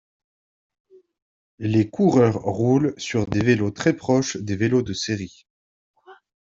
Les coureurs roulent sur des vélos très proches des vélos de série.